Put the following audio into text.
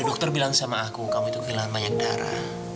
dokter bilang sama aku kamu itu kehilangan banyak darah